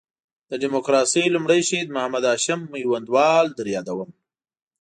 د ډیموکراسۍ لومړی شهید محمد هاشم میوندوال در یادوم.